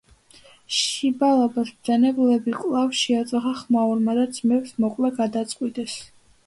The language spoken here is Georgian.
შიბალბას მბრძანებლები კვლავ შეაწუხა ხმაურმა და ძმებს მოკვლა გადაწყვიტეს.